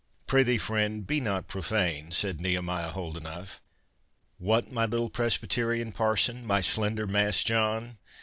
"Prithee, friend, be not profane," said Nehemiah Holdenough. "What, my little Presbyterian Parson, my slender Mass John?